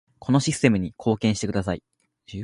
このシステムに貢献してください